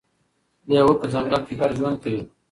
لیوه په ځنګل کې ګډ ژوند کوي.